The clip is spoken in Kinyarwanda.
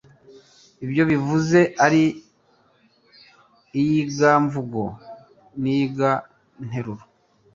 ibyo bivuze ari iyigamvugo n'iyiganteruro